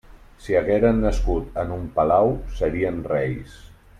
Si hagueren nascut en un palau, serien reis.